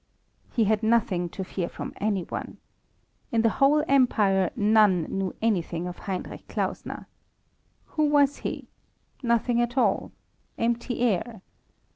He had nothing to fear from anyone. In the whole empire none knew anything of Heinrich Klausner. Who was he? Nothing at all! Empty air.